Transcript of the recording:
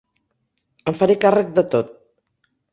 Em faré càrrec de tot.